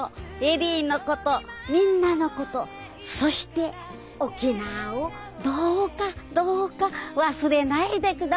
恵里のことみんなのことそして沖縄をどうかどうか忘れないで下さいね。